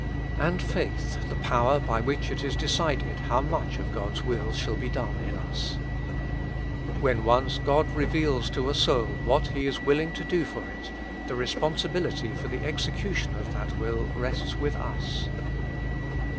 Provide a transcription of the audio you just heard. And faith, the power by which it is decided how much of God's will shall be done in us. When once God reveals to a soul what He is willing to do for it, the responsibility for the execution of that will rests with us.